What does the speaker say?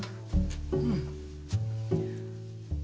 うん。